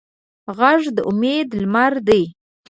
غږ د امید لمر دی